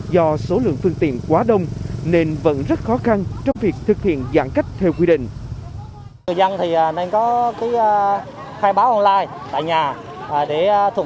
do số lượng phương tiện quá đông nên vẫn rất khó khăn trong việc thực hiện giãn cách theo quy định